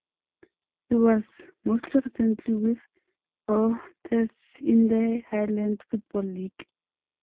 He was, most recently, with Rothes in the Highland Football League.